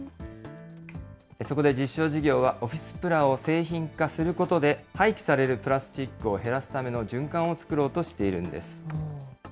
そこで実証事業は、オフィスプラを製品化することで、廃棄されるプラスチックを減らすための循環を作ろうとしているんです。